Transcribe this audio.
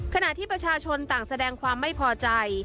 ขณะที่ประชาชนต่างแสดงความไม่พอใจ